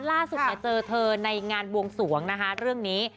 ล่าสุดมาเจอเธอในงานบวงสวงนะคะเรื่องนี้